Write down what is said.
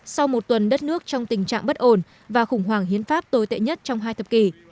sau một tuần đất nước trong tình trạng bất ổn và khủng hoảng hiến pháp tồi tệ nhất trong hai thập kỷ